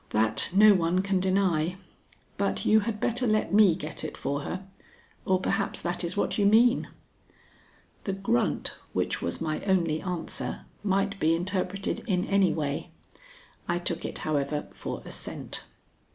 That no one can deny. But you had better let me get it for her, or perhaps that is what you mean." The grunt which was my only answer might be interpreted in any way. I took it, however, for assent.